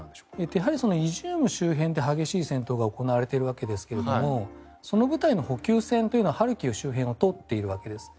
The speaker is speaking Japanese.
やはりイジューム周辺で激しい戦闘が行われているわけですがその部隊の補給線というのはハルキウ周辺を通っているわけです。